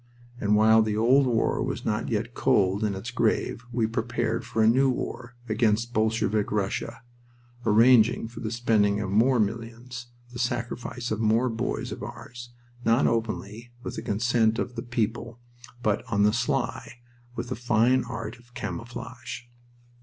And while the old war was not yet cold in its grave we prepared for a new war against Bolshevik Russia, arranging for the spending of more millions, the sacrifice of more boys of ours, not openly, with the consent of the people, but on the sly, with a fine art of camouflage.